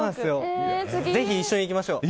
ぜひ一緒に行きましょう。